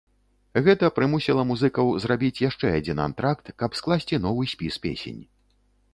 Гэта прымусіла музыкаў зрабіць яшчэ адзін антракт, каб скласці новы спіс песень.